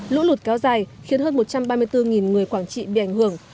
lũ lụt kéo dài khiến hơn một trăm ba mươi bốn người quảng trị bị ảnh hưởng